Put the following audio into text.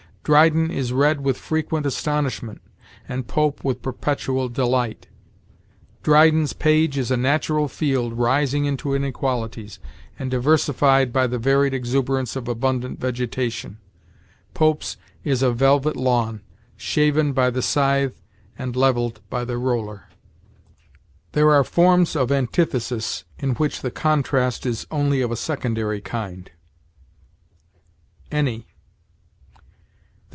Dryden is read with frequent astonishment, and Pope with perpetual delight. Dryden's page is a natural field, rising into inequalities, and diversified by the varied exuberance of abundant vegetation; Pope's is a velvet lawn, shaven by the scythe, and leveled by the roller." There are forms of antithesis in which the contrast is only of a secondary kind. ANY.